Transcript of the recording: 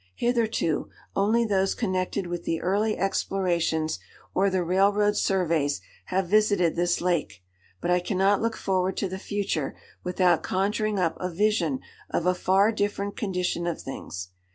Hitherto, only those connected with the early explorations, or the railroad surveys, have visited this lake, but I cannot look forward to the future without conjuring up a vision of a far different condition of things.